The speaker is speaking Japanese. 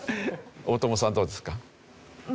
大友さんどうですか？